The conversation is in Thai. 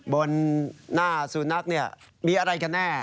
บนหน้าสุนัขเนี่ยมีอะไรกันแน่